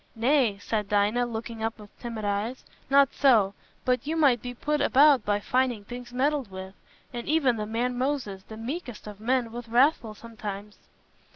"Nay," said Dinah, looking up with timid eyes, "not so. But you might be put about by finding things meddled with; and even the man Moses, the meekest of men, was wrathful sometimes."